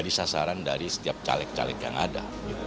dan ini adalah sasaran dari setiap caleg caleg yang ada